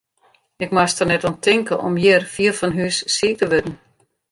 Ik moast der net oan tinke om hjir, fier fan hús, siik te wurden.